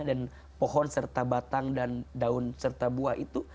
dan pohon serta batang dan daun serta buah itu